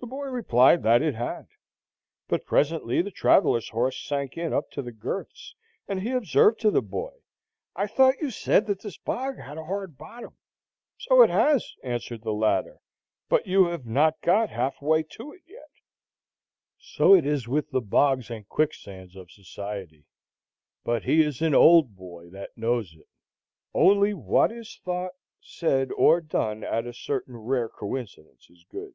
The boy replied that it had. But presently the traveller's horse sank in up to the girths, and he observed to the boy, "I thought you said that this bog had a hard bottom." "So it has," answered the latter, "but you have not got half way to it yet." So it is with the bogs and quicksands of society; but he is an old boy that knows it. Only what is thought, said, or done at a certain rare coincidence is good.